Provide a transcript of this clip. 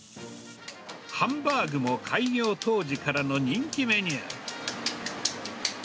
ハンバーグも開業当時からの人気メニュー。